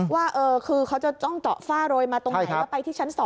ว่าคือเขาจะต้องเจาะฝ้าโรยมาตรงไหนแล้วไปที่ชั้น๒